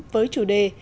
với chủ đề